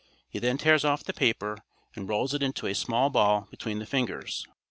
He then tears off the paper and rolls it into a small ball between the fingers.